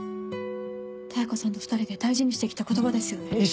妙子さんと２人で大事にして来た言葉ですよね。